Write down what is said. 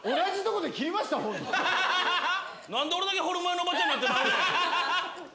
何で俺だけホルモン屋のおばちゃんになってまうんや。